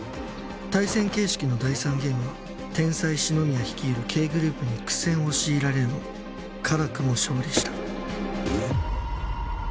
対戦形式の第３ゲームは天才紫宮率いる Ｋ グループに苦戦を強いられるも辛くも勝利した